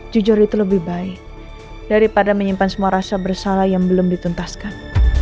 jujur itu lebih baik daripada menyimpan semua rasa bersalah yang belum dituntaskan